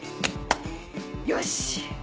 よし！